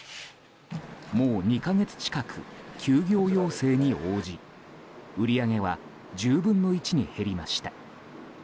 もう２か月近く休業要請に応じ売り上げは１０分の１に減りました。